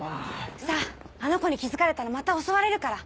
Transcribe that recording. さぁあの子に気付かれたらまた襲われるから。